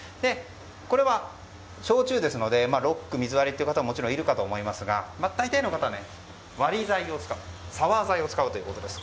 これは、焼酎ですのでロック、水割りという方ももちろんいるかと思いますが大体の人は割り材で、サワー材を使うということです。